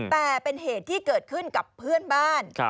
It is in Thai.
แต่เป็นเหตุที่เกิดขึ้นกับเพื่อนบ้าน